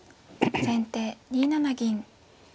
先手２七銀。